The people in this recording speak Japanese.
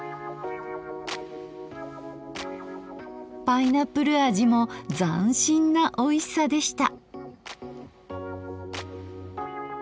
パイナップル味も斬新なおいしさでした。